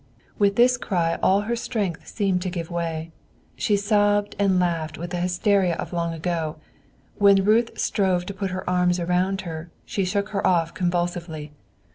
With this cry all her strength seemed to give way; she sobbed and laughed with the hysteria of long ago; when Ruth strove to put her arms around her, she shook her off convulsively.